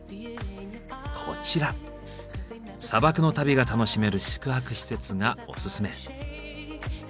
砂漠の旅が楽しめる宿泊施設がオススメ。